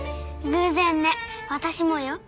偶然ね私もよ。